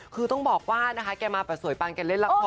คือต้องบอกว่านะคะแกมาแบบสวยปังแกเล่นละคร